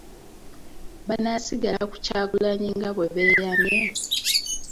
Banaasigala ku Kyagulanyi nga bwe beeyamye?